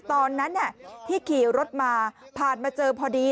ตอนนั้นที่ขี่รถมาผ่านมาเจอพอดี